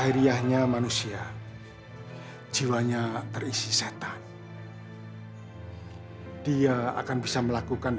kenapa ini tidak berurusan